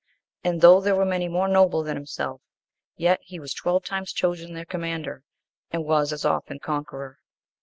And though there were many more noble than himself, yet he was twelve times chosen their commander, and was as often conqueror.